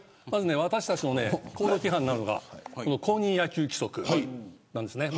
私たちの行動規範になるのが公認野球規則なんです。